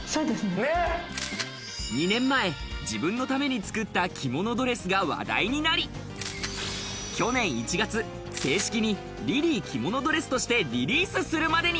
２年前、自分のために作った着物ドレスが話題になり、去年１月、正式にリリー着物ドレスとしてリリースするまでに。